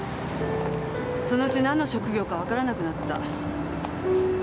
そのうち何の職業か分からなくなった。